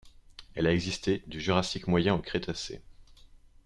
Elle a existé du Jurassique moyen au Crétacé.